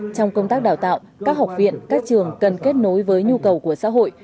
trong công tác đào tạo các học viện các trường cần kết nối với nhu cầu của xã hội